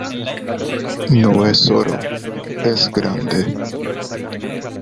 no es oro. es grande .